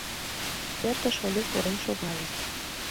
Пӧртыш Олю пурен шогале.